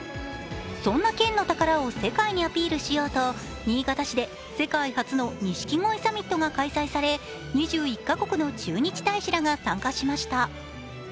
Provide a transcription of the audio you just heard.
そんな県の宝を世界にアピールしようと新潟市で世界初の錦鯉サミットが開催され２１か国の駐日大使らが参加しました。